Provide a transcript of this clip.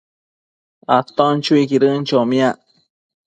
aton chuiquidën chomiac